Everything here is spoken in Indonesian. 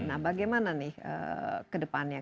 nah bagaimana nih ke depannya